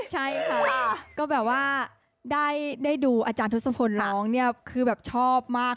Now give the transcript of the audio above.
ใช่ค่ะก็แบบว่าได้ดูอาจารย์ทศพลร้องคือชอบมากค่ะ